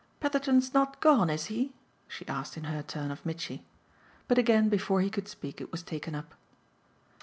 Petherton's not gone, is he?" she asked in her turn of Mitchy. But again before he could speak it was taken up.